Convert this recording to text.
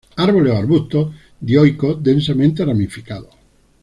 Árboles o arbustos dioicos, densamente ramificados.